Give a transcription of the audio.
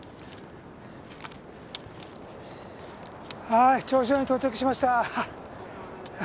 はい頂上に到着しました！